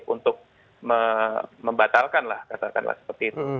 untuk membatalkanlah katakanlah seperti itu